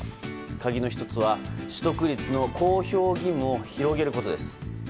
鍵の１つは取得率の公表義務を広げることです。